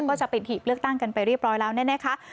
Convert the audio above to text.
ก็จะปิดหีบเลือกตั้งกันไปเรียบร้อยแล้วเนี่ยนะคะ